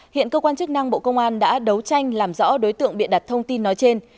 hiện cơ quan chức năng bộ công an đã đấu tranh làm rõ đối tượng bịa đặt thông tin nói trên